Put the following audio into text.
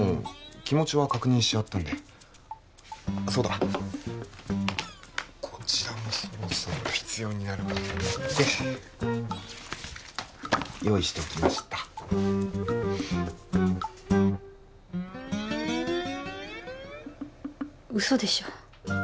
気持ちは確認し合ったんでそうだこちらもそろそろ必要になるかと思って用意しておきましたうそでしょ？